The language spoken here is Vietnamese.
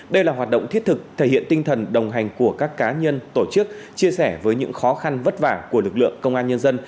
đây là hoạt động thiết thực thể hiện tinh thần đồng hành của các cá nhân tổ chức chia sẻ với những khó khăn vất vả của lực lượng công an nhân dân